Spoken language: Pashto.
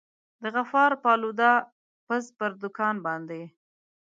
د غفار پالوده پز پر دوکان باندي.